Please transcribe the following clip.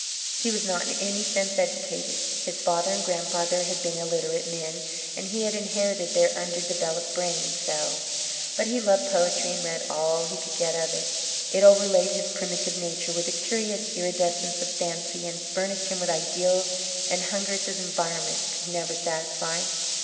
He was not in any sense educated. His father and grandfather had been illiterate men and he had inherited their underdeveloped brain cells. But he loved poetry and read all he could get of it. It overlaid his primitive nature with a curious iridescence of fancy and furnished him with ideals and hungers his environment could never satisfy.